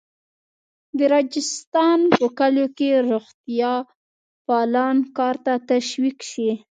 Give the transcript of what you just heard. د راجستان په کلیو کې روغتیاپالان کار ته تشویق شي.